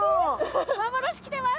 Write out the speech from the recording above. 幻きてます。